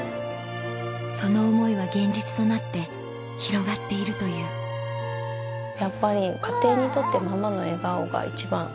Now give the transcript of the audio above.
その思いは現実となって広がっているというやっぱり家庭にとってママの笑顔が一番。